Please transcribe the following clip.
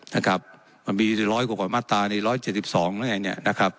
มันมีร้อยกว่ามาตรา๑๗๒แล้วไง